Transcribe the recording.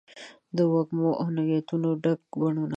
د وږمو او نګهتونو ډک بڼوڼه